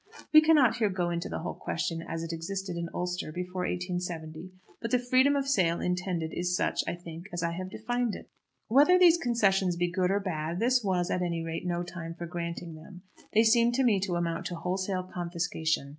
We cannot here go into the whole question as it existed in Ulster before 1870; but the freedom of sale intended is such, I think, as I have defined it. Whether these concessions be good or bad, this was, at any rate, no time for granting them. They seem to me to amount to wholesale confiscation.